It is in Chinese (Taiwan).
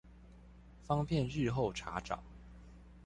方便日後查找